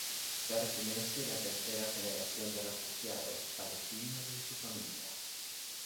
Pertenece la tercera generación de refugiados palestinos de su familia.